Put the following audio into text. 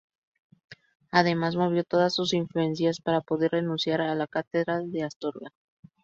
Además movió todas sus influencias para poder renunciar a la Cátedra de Astorga.